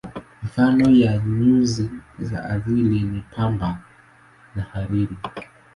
Mifano ya nyuzi za asili ni pamba na hariri.